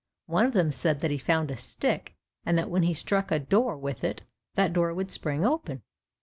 One of them said that he found a stick, and that when he struck a door with it, that door would spring open.